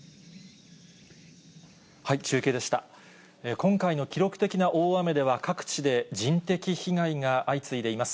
今回の記録的な大雨では、各地で人的被害が相次いでいます。